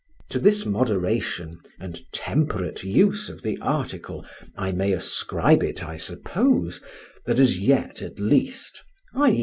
To this moderation and temperate use of the article I may ascribe it, I suppose, that as yet, at least (_i.